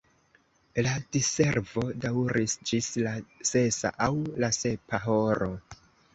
La diservo daŭris ĝis la sesa aŭ la sepa horo.